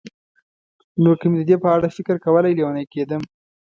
نو که مې د دې په اړه فکر کولای، لېونی کېدم.